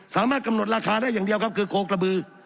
สามารถกำหนดราคาได้อย่างเดียวครับคือโคกระบือ